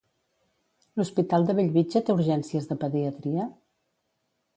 L'Hospital de Bellvitge té urgències de pediatria?